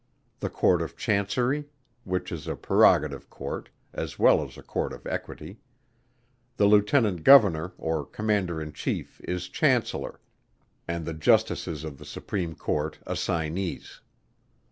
The Court of Chancery, which is a Prerogative Court, as well as a Court of Equity. The Lieutenant Governor, or Commander in Chief is Chancellor, and the Justices of the Supreme Court Assignees.